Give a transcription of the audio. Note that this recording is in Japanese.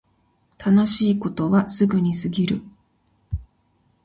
楽しいことはすぐに過ぎる